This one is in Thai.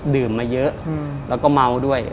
ดื่มมาเยอะแล้วก็เมาด้วย